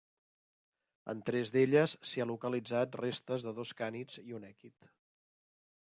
En tres d'elles s'hi ha localitzat restes de dos cànids i un èquid.